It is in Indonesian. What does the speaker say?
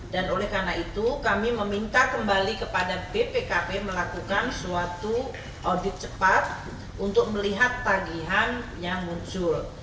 dan oleh karena itu kami meminta kembali kepada bpkp melakukan suatu audit cepat untuk melihat tagihan yang muncul